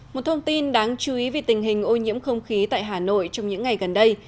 một thông tin đáng chú ý về tình hình ô nhiễm không khí tại hà nội trong những ngày gần đây